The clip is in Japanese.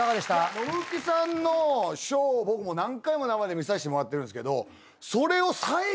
ノブフキさんのショーを僕も何回も生で見させてもらってるんですけどそれを。